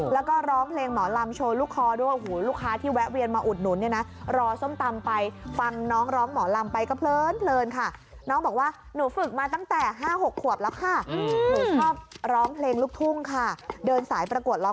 แล้วก็ร้องเพลงหมอรำโชว์ลูกคอด้วย